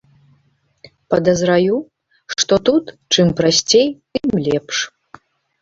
Падазраю, што тут, чым прасцей, тым лепш.